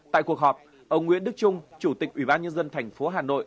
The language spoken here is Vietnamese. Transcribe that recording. tại cuộc họp ông nguyễn đức trung chủ tịch ủy ban nhân dân thành phố hà nội